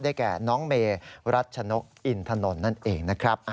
แก่น้องเมรัชนกอินถนนนั่นเองนะครับ